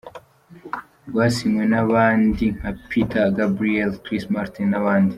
Rwasinywe n'abandi nka Peter Gabriel, Chris Martin, n'abandi.